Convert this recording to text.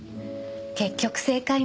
結局正解ね。